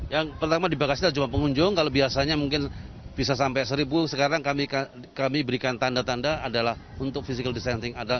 yang pertama dibatasi hanya cuma pengunjung kalau biasanya mungkin bisa sampai seribu sekarang kami berikan tanda tanda adalah untuk physical distancing